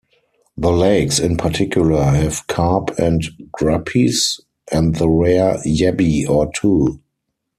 The lakes in particular have carp and guppies, and the rare yabbie or two.